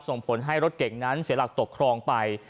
ส่งผลให้รถเก่งนั้นเสียหลักตกครองไป